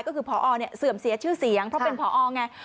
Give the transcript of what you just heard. ก็คือพอเสื่อมเสียชื่อเสียงเพราะเป็นพอไง